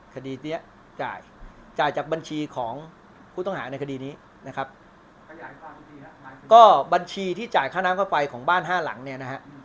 คดีเนี้ยจ่ายจ่ายจากบัญชีของผู้ต้องหาในคดีนี้นะครับก็บัญชีที่จ่ายค่าน้ำค่าไฟของบ้านห้าหลังเนี่ยนะฮะ